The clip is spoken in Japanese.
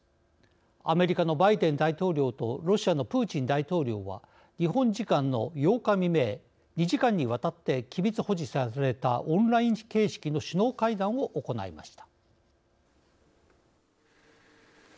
アメリカのバイデン大統領とロシアのプーチン大統領は日本時間の８日未明２時間にわたって機密保持されたオンライン形式の首脳会談を行いました。